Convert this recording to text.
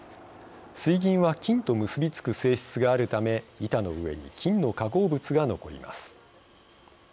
水銀は金と結び付く性質があるため板の上に金の化合物が残ります。